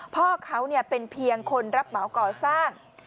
พ่อเขาเป็นเพียงคนรับเหมาก่อสร้าง